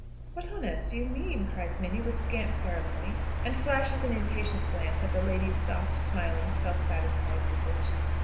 "What on earth do you mean?" cries Minnie, with scant ceremony, and flashes an impatient glance at the lady's soft, smiling, self satisfied visage.